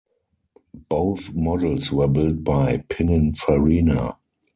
Both models were built by Pininfarina.